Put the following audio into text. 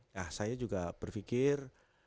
ya saya juga berpikir